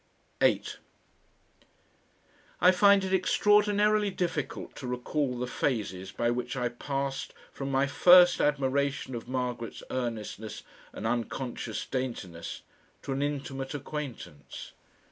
8 I find it extraordinarily difficult to recall the phases by which I passed from my first admiration of Margaret's earnestness and unconscious daintiness to an intimate acquaintance.